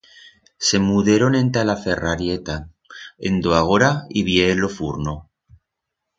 Se muderon enta la ferrarieta, en do agora ib'ye lo furno.